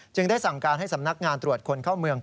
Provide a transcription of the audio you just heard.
ได้สั่งการให้สำนักงานตรวจคนเข้าเมือง